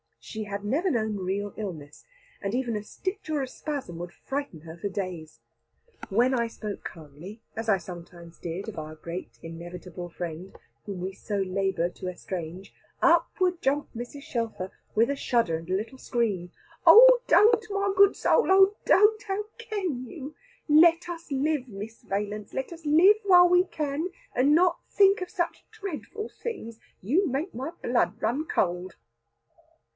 She had never known real illness, and even a stitch or a spasm would frighten her for days. When I spoke calmly, as I sometimes did, of our great inevitable friend, whom we so labour to estrange, up would jump Mrs. Shelfer with a shudder and a little scream. "Oh don't, my good soul, oh don't! How can you? Let us live, Miss Valence, let us live while we can, and not think of such dreadful things. You make my blood run cold."